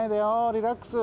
リラックス！